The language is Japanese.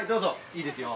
いいですよ。